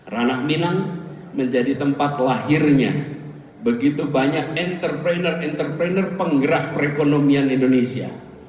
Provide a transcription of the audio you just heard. ranah minang menjadi tempat lahirnya begitu banyak entrepreneur entrepreneur penggerak perekonomian indonesia